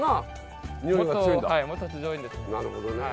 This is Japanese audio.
なるほど。